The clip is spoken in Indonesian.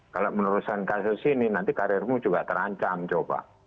kalau meneruskan kasus ini nanti kariermu juga terancam coba